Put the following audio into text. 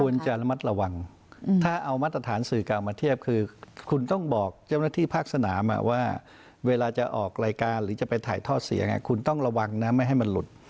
คุณจะระมัดระวังถ้าเอามาตรฐานสื่อกลางมาเทียบคือคุณต้องบอกเจ้าหน้าที่ภาคสนามว่าเวลาจะออกรายการหรือจะไปถ่ายทอดเสียงคุณต้องระวังนะไม่ให้มันหลุด